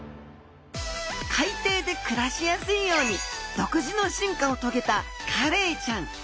海底で暮らしやすいように独自の進化を遂げたカレイちゃん。